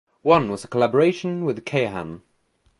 One was a collaboration with Kayahan.